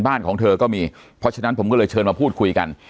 ของเธอก็มีเพราะฉะนั้นผมก็เลยเชิญมาพูดคุยกัน